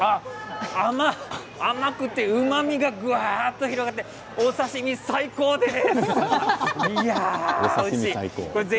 甘くてうまみがぐわっと広がってお刺身、最高です。